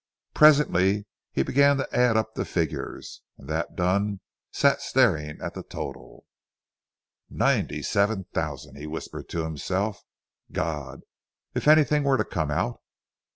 Presently he began to add up the figures, and that done sat staring at the total. "Ninety seven thousand," he whispered to himself. "God! If anything were to come out!"